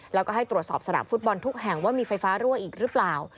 แล้วก็ให้ตรวจสอบสนามฟุตบอลทุกแห่งว่ามีไฟฟ้ารั่วอีกหรือเปล่า